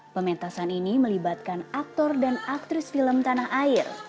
pementasan ini melibatkan aktor dan aktris film tanah air